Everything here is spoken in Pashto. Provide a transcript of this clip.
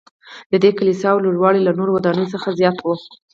ددې کلیساوو لوړوالی له نورو ودانیو څخه زیات و.